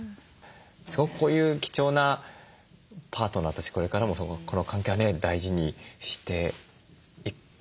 すごくこういう貴重なパートナーとしてこれからもこの関係はね大事にしていくべきものだなと感じましたね。